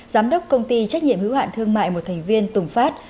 giám đốc công ty trách nhiệm hữu hạn thương mại một thành viên tùng phát